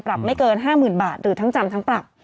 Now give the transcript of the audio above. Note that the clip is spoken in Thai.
ไม่เกิน๕๐๐๐บาทหรือทั้งจำทั้งปรับ